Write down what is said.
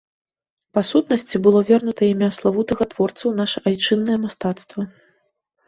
Па сутнасці, было вернута імя славутага творцы ў наша айчыннае мастацтва.